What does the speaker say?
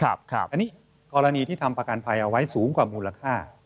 อันนี้กรณีที่ทำประกันภัยเอาไว้สูงกว่ามูลค่า